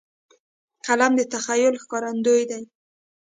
قلم د تخیل ښکارندوی دی